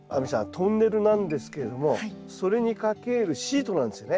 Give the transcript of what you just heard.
トンネルなんですけれどもそれにかけるシートなんですよね。